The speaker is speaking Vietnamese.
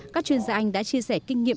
các chuyên gia anh đã chia sẻ kinh nghiệm